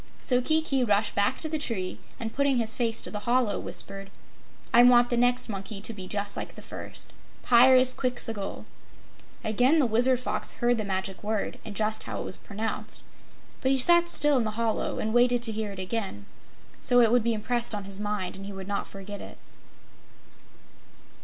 So Kiki rushed back to the tree and putting his face to the hollow, whispered: "I want the next monkey to be just like the first Pyrzqxgl!" Again the Wizard Fox heard the Magic Word, and just how it was pronounced. But he sat still in the hollow and waited to hear it again, so it would be impressed on his mind and he would not forget it.